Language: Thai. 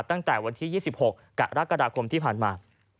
ตั้งแต่วันที่๒๖กรกฎาคมที่ผ่านมา